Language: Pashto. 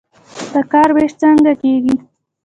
د کار ویش څنګه کیږي؟